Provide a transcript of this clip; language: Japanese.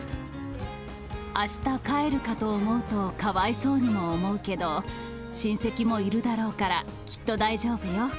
あした帰るかと思うと、かわいそうにも思うけど、親戚もいるだろうから、きっと大丈夫よ。